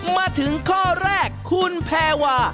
มาถึงข้อแรกคุณแพรวา